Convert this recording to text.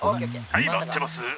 「はい回ってます」。